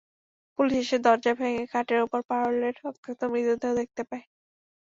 Police এসে দরজা ভেঙে খাটের ওপর পারুলের রক্তাক্ত মৃতদেহ দেখতে পায়।